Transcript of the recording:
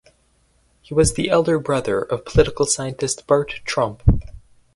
He was the elder brother of political scientist Bart Tromp.